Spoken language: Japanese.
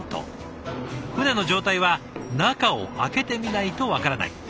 船の状態は中を開けてみないと分からない。